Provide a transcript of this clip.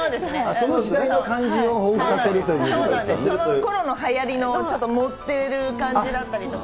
その時代の感じをほうふつさそのころのはやりの、ちょっと盛ってる感じだったりとか。